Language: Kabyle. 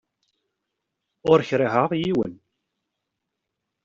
Ur kriheɣ yiwen!